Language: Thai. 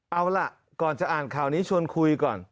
เอาล่ะก่อนจะอ่านข่าวนี้ชวนคุยก่อน